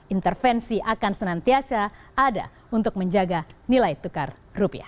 intervensi akan senantiasa ada untuk menjaga nilai tukar rupiah